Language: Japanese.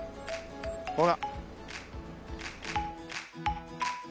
ほら。